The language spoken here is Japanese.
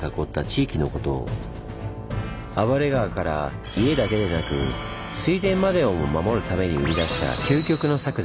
暴れ川から家だけでなく水田までをも守るために生み出した究極の策です。